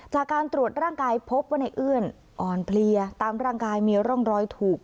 จากการตรวจร่างกายพบว่าในเอื้อนอ่อนเพลียตามร่างกายมีร่องรอยถูก